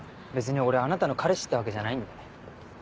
別に俺あなたの彼氏ってわけじゃないんで。